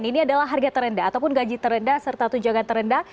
ini adalah harga terendah ataupun gaji terendah serta tunjangan terendah